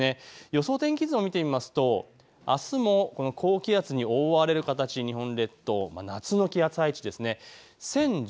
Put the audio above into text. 予想天気図を見てみますとあすも高気圧に覆われる形、日本列島、夏の気圧配置ですね。